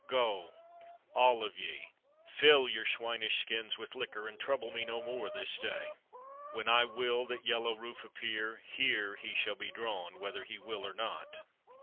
Go, all of ye! Fill your swinish skins with liquor, and trouble me no more this day. When I will that Yellow Rufe appear, here he shall be drawn, whether he will or not.